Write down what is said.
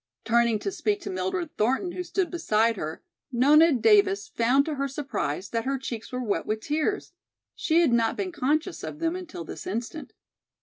Turning to speak to Mildred Thornton who stood beside her, Nona Davis found to her surprise that her cheeks were wet with tears. She had not been conscious of them until this instant.